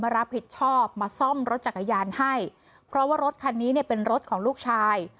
รับผิดชอบมาซ่อมรถจักรยานให้เพราะว่ารถคันนี้เนี่ยเป็นรถของลูกชาย